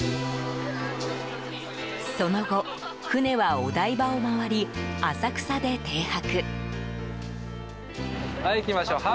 その後、船はお台場を回り浅草で停泊。